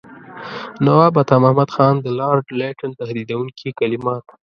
نواب عطامحمد خان د لارډ لیټن تهدیدوونکي کلمات.